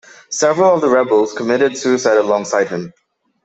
Several of the rebels committed suicide alongside him.